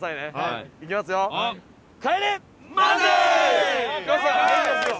いきますよ。